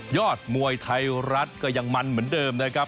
ยอดมวยไทยรัฐก็ยังมันเหมือนเดิมนะครับ